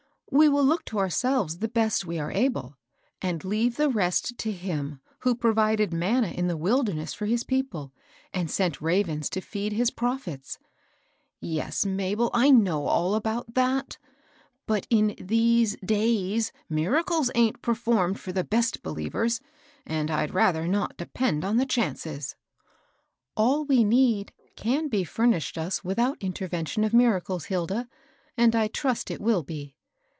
" We will look to ourselves the best we are able, and leave the rest to Him who provided manna in the wilderness for his people, and sent ravens to feed his prophets." " Yes, Alabel, I know aU about that ; but in these day% miracles aint performed for the best DOMESTIC ACCOUNTS. 287 beUevers, and I'd rather not depend on the chances.*' All we need can be furnished us without inter vention of miracles, Hilda ; and I trust it will be.